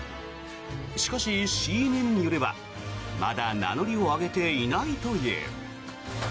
しかし、ＣＮＮによればまだ名乗りを上げていないという。